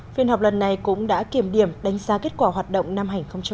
phiên họp lần này cũng đã kiềm điểm đánh giá kết quả hoạt động năm hai nghìn một mươi chín